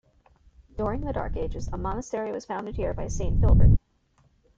During the Dark Ages, a monastery was founded here by Saint Philbert.